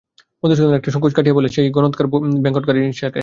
মধুসূদন একটু সংকোচ কাটিয়ে বললে, সেই গনৎকার বেঙ্কটস্বামীর কাছে।